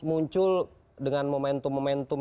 muncul dengan momentum momentum